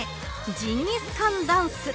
ジンギスカンダンス。